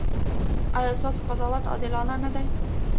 ایا ستاسو قضاوت عادلانه نه دی؟